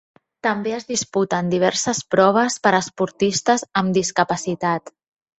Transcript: També es disputen diverses proves per a esportistes amb discapacitat.